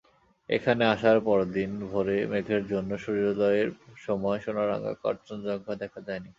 এখানে আসার পরদিন ভোরে মেঘের জন্য সূর্যোদয়ের সময় সোনারাঙা কাঞ্চনজঙ্ঘা দেখা যায়নি।